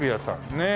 ねえ。